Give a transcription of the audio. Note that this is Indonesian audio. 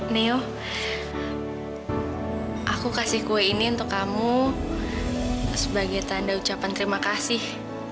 neo aku kasih kue ini untuk kamu sebagai tanda ucapan terima kasih